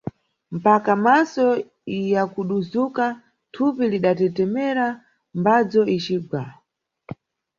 Mpaka, maso yakuduzuka, thupi litdatetemera mbadzo icigwa.